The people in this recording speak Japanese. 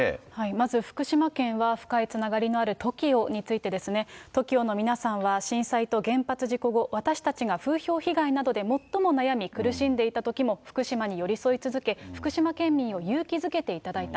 まず福島県は、深いつながりのあるＴＯＫＩＯについてですね、ＴＯＫＩＯの皆さんは、震災と原発事故後、私たちが風評被害などで最も悩み苦しんでいたときも、福島に寄り添い続け、福島県民を勇気づけていただいた。